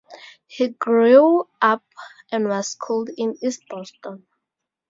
He grew up and was schooled in East Boston.